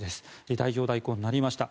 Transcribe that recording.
代表代行になりました。